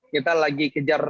kita lagi kejar berat